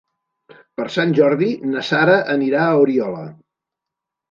Per Sant Jordi na Sara anirà a Oriola.